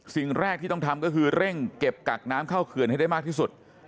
สิ่งแรกที่ต้องทำก็คือเร่งเก็บกักน้ำเข้าเขื่อนให้ได้มากที่สุด